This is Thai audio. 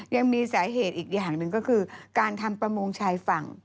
ยังมีสาเหตุอีกอย่างหนึ่งก็คือการทำประมงชายฝั่ง